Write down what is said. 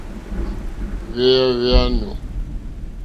Hwɛ́hwɛ̂hwɛ́ ɲû.